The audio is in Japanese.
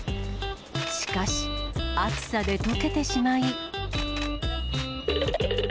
しかし、暑さで溶けてしまい。